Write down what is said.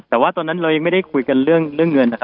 แต่ตอนนั้นเรายังไม่ได้คุยกันเรื่องเงิน